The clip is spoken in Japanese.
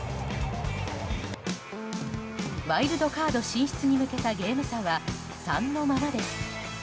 ワイルドカード進出に向けたゲーム差は３のままです。